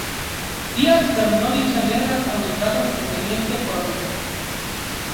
Díaz terminó dicha guerra con los grados de Teniente Coronel.